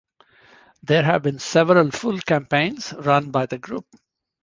There have been several full campaigns run by the group.